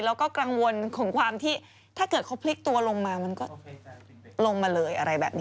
เราก็กลังวนถ้าเกิดเขาพลิกตัวลงก็ลงมันเลย